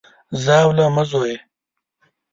ژاوله مه ژویه!